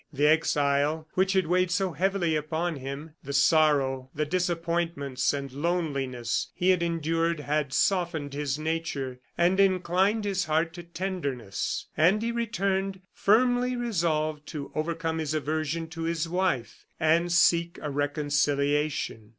The exile which had weighed so heavily upon him, the sorrow, the disappointments and loneliness he had endured had softened his nature and inclined his heart to tenderness; and he returned firmly resolved to overcome his aversion to his wife, and seek a reconciliation.